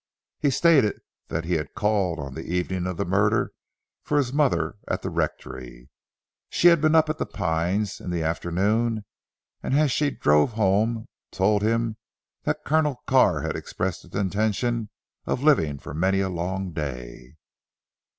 He stated that he had called on the evening of the murder for his mother at the rectory. She had been up at "The Pines" in the afternoon, and as she drove home told him, that Colonel Carr had expressed his intention of living for many a long day.